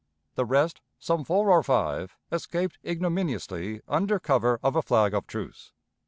The rest, some four or five, escaped ignominiously under cover of a flag of truce.